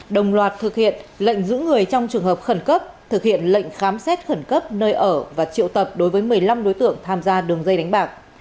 đồng loạt thực hiện lệnh giữ người trong trường hợp khẩn cấp thực hiện lệnh khám xét khẩn cấp nơi ở và triệu tập đối với một mươi năm đối tượng tham gia đường dây đánh bạc